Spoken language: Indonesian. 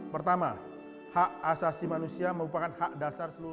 pertama hak asasi manusia merupakan hak dasar seluruh